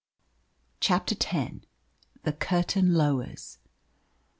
CHAPTER X. THE CURTAIN LOWERS.